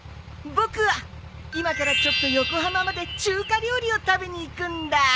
僕は今からちょっと横浜まで中華料理を食べに行くんだ。